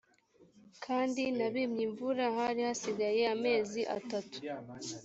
kandi nabimye imvura hari hasigaye amezi atatu